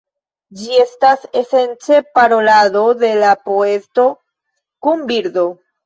Ĝi estas esence parolado de la poeto kun birdo.